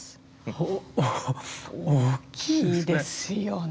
お大きいですね。